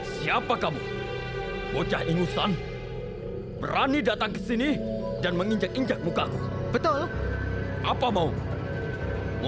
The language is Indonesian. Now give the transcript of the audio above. sampai jumpa di video selanjutnya